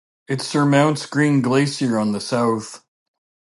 It surmounts Green Glacier on the south.